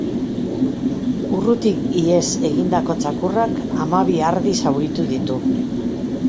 Urritik ihes egindako txakurrak hamabi ardi zauritu ditu.